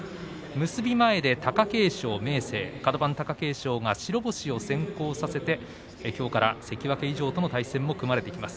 カド番の貴景勝が白星を先行させてきょうから関脇以上との対戦も組まれてきます。